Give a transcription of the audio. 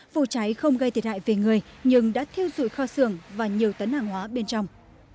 vụ cháy không gây thiệt hại về người nhưng đã thiêu dụi kho xưởng và nhiều tấn hàng hóa bên trong